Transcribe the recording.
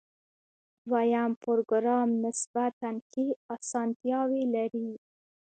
دویم پروګرام نسبتاً ښې آسانتیاوې لري.